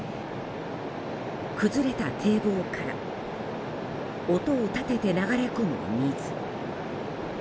崩れた堤防から音を立てて流れ込む水。